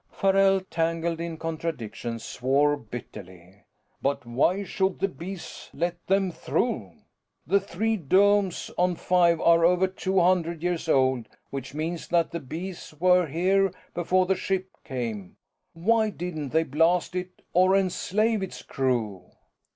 Farrell, tangled in contradictions, swore bitterly. "But why should the Bees let them through? The three domes on Five are over two hundred years old, which means that the Bees were here before the ship came. Why didn't they blast it or enslave its crew?"